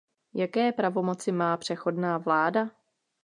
Jaké pravomoci má přechodná vláda?